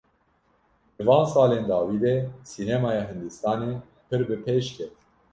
Di van salên dawî de sînemaya Hindistanê pir bi pêş ket.